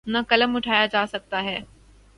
نہ قلم اٹھایا جا سکتا ہے۔